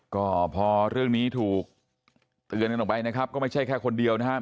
ก็พอเรื่องนี้ถูกเตือนกันออกไปนะครับก็ไม่ใช่แค่คนเดียวนะครับ